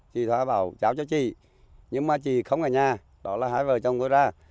chị thoa bảo giao cho chị nhưng mà chị không ở nhà đó là hai vợ chồng tôi ra